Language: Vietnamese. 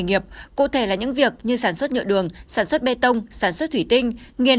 nghiệp cụ thể là những việc như sản xuất nhựa đường sản xuất bê tông sản xuất thủy tinh nghiền